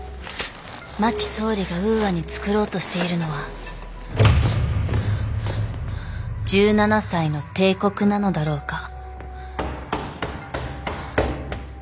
真木総理がウーアに創ろうとしているのは１７才の帝国なのだろうか。